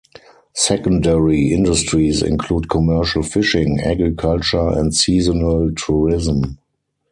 Secondary industries include commercial fishing, agriculture and seasonal tourism.